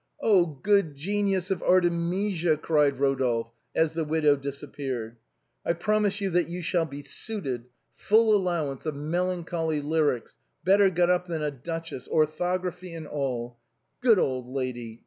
" Oh, good genius of an Artemisia !" cried Eodolphe, as the widow disappeared. " I promise you that you shall be suited — full allowance of melancholy lyrics, better got up THE WHITE VIOLETS. 109 than a duchess, orthography and all. Good old lady